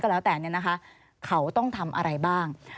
แล้วแต่เนี่ยนะคะเขาต้องทำอะไรบ้าง